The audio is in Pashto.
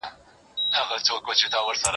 زه اجازه لرم چي جواب ورکړم!!